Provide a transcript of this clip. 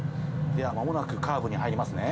では間もなくカーブに入りますね。